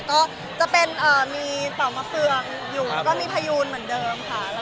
ก็จะเป็นมีเป่ามะเฟืองอยู่แล้วก็มีพยูนเหมือนเดิมค่ะ